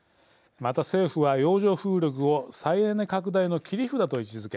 また、政府は洋上風力を再エネ拡大の切り札と位置づけ